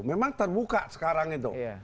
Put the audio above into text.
memang terbuka sekarang itu